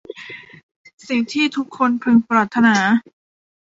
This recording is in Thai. สิ่งที่ทุกคนพึงปรารถนา